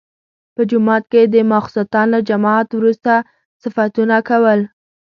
په جومات کې د ماخستن له جماعت وروسته صفتونه کول.